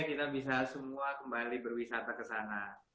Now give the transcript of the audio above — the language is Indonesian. kita bisa semua kembali berwisata ke sana